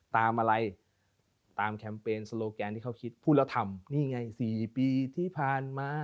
ตามอะไรตามแคมเปญสโลแกนที่เขาคิดพูดแล้วทำนี่ไง๔ปีที่ผ่านมา